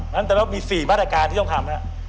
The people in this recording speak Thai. นั้นแต่มันมี๔บรรดาการที่ต้องทำนะครับ